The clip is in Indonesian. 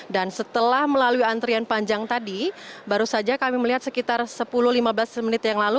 dan setelah melalui antrian panjang tadi baru saja kami melihat sekitar sepuluh lima belas menit yang lalu